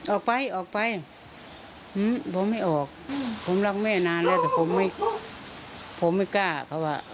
ออกไปออกไปผมไม่ออกผมรักแม่นานแล้วแต่ผมไม่ผมไม่กล้าเขาว่า